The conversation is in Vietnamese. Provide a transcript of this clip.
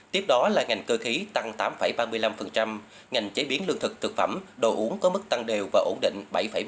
tiếp đó là ngành cơ khí tăng tám ba mươi năm ngành chế biến lương thực thực phẩm đồ uống có mức tăng đều và ổn định bảy bốn mươi